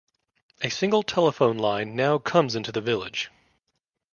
A single telephone line now comes into the village.